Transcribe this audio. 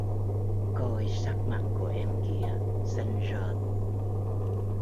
Coi sắc mặt của em kìa xanh rờn